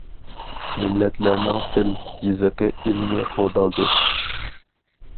مىللەتلەرنىڭ تىل- يېزىقى ئىلمىي قوغدالدى.